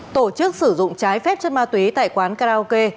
tổ chức sử dụng trái phép chất ma túy tại quán karaoke